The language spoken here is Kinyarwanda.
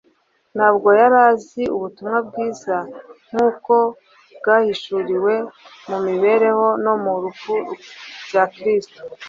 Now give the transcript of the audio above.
ntabwo yari azi ubutumwa bwiza nk’uko bwahishuriwe mu mibereho no mu rupfu bya Kristo